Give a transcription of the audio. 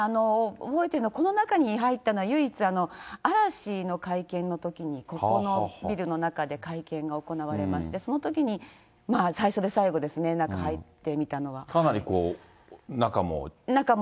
覚えてるのはこの中に入ったのは唯一、嵐の会見のときに、ここのビルの中で会見が行われまして、そのときに最初で最後ですね、かなりこう、中も？